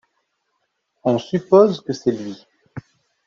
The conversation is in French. On suppose que c'est lui.